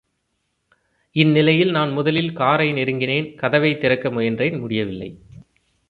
இந்நிலையில், நான் முதலில் காரை நெருங்கினேன், கதவைத் திறக்க முயன்றேன் முடியவில்லை.